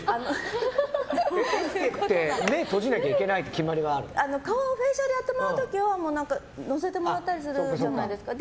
エステって目を閉じなきゃいけないっていうフェイシャルをやってもらう時はのせてもらったりするじゃないですか。